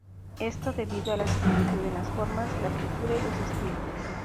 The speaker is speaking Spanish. Esto debido a la similitud en las formas, la pintura y los estilos.